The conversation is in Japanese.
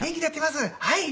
「はい。